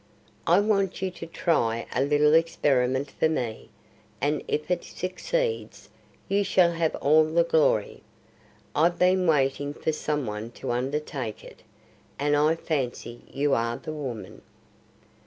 "I want you to try a little experiment for me, and if it succeeds you shall have all the glory; I've been waiting for some one to undertake it, and I fancy you are the woman.